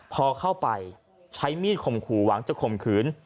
พอเข้าไปใช้มีดข่มขู่หวังจะข่มขืน